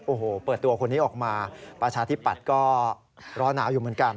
โอ้โหเปิดตัวคนนี้ออกมาประชาธิปัตย์ก็ร้อนหนาวอยู่เหมือนกัน